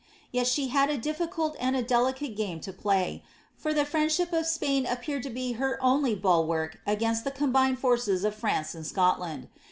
Yet she had a difficult and a delicate game to play, for the friendship of Spain appeared to be her only bulwark against the combined forces of France and Scot land.